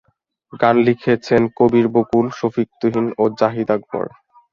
গান লিখেছেন কবির বকুল, শফিক তুহিন ও জাহিদ আকবর।